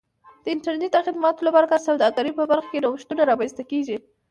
د انټرنیټ د خدماتو له برکت د سوداګرۍ په برخه کې نوښتونه رامنځته کیږي.